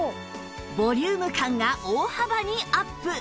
ボリューム感が大幅にアップ！